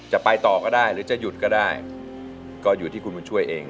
จะไปต่อก็ได้หรือจะหยุดก็ได้ก็อยู่ที่คุณบุญช่วยเอง